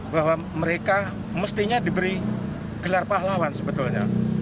bahwa mereka mestinya diberi gelar pahlawan sebetulnya